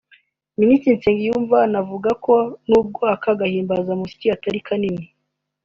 Minisitiri Nsengiyumva anavuga ko n’ubwo aka gahimbazamusyi atari kanini